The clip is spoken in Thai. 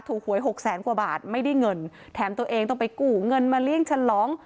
หวยหกแสนกว่าบาทไม่ได้เงินแถมตัวเองต้องไปกู้เงินมาเลี้ยงฉลอง